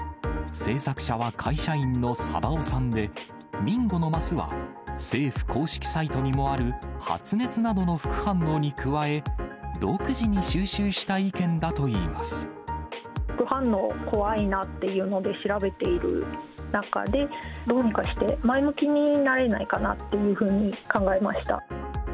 制作者は会社員のさばおさんで、ビンゴのますは政府公式サイトにもある発熱などの副反応に加え、副反応が怖いなっていうので調べている中で、どうにかして、前向きになれないかなっていうふうに考えました。